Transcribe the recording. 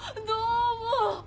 どうも！